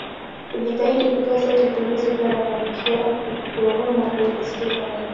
Kujitahidi kutoa sauti mfululizo bila mafanikio au Kuroroma kulikozidi kawaida